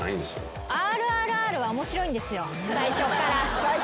最初からね。